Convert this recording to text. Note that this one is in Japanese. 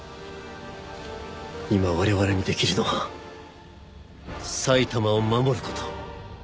今われわれにできるのは埼玉を守ること。